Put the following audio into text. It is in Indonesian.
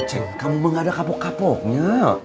eh ceng kamu gak ada kapok kapoknya